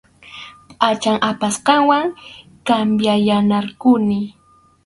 Pʼachan apasqaywan cambianayarquni.